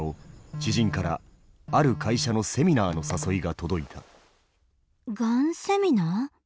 知人からある会社のセミナーの誘いが届いた。